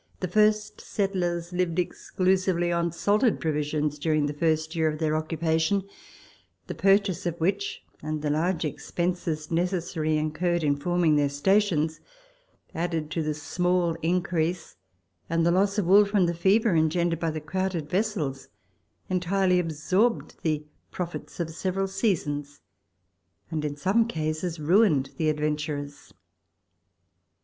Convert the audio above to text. the first settlers lived exclusively on salted provisions during the first year of their occupation, the purchase of which and the large expenses necessarily incurred in forming their stations, added to the small increase and the loss of wool from the fever engendered by the crowded vessels, entirely absorbed the profits of several seasons, and in some cases ruined the adventurers.